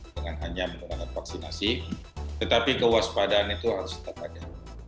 dengan hanya menggunakan vaksinasi tetapi kewaspadaan itu harus tetap ada